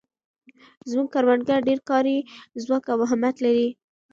زموږ کروندګر ډېر کاري ځواک او همت لري.